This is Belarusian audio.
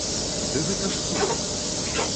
Ды гэта ж сон!..